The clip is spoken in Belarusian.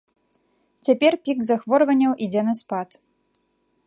Цяпер пік захворванняў ідзе на спад.